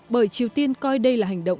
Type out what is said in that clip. bởi triều tiên coi đây là hành động